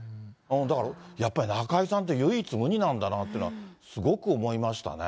だからやっぱり中居さんって唯一無二なんだなってすごく思いましたね。